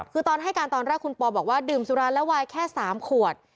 คือตอนให้การตอนแรกคุณปอบอกว่าดื่มสุราและวายแค่๓ขวด